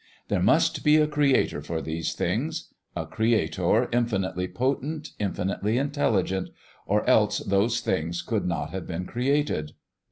There must be a Creator for these things a Creator infinitely potent, infinitely intelligent or else those things could not have been created.